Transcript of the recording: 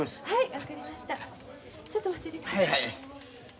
はい。